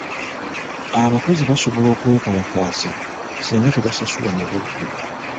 Abakozi basobola okwekalakaasa singa tebasasulwa mu budde.